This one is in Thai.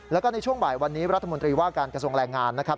แล้วก็ในช่วงบ่ายวันนี้รัฐมนตรีว่าการกระทรวงแรงงานนะครับ